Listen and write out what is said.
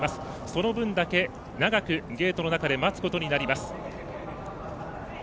その分だけ長くゲートの中で待つことになります。